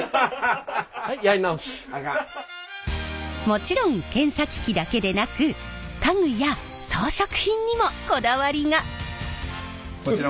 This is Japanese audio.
もちろん検査機器だけでなく家具や装飾品にもこだわりが！